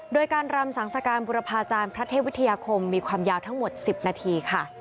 โดยการรำสังสการบุรพาจารย์พระเทพวิทยาคมมีความยาวทั้งหมด๑๐นาทีค่ะ